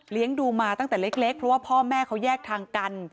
ดูมาตั้งแต่เล็กเพราะว่าพ่อแม่เขาแยกทางกัน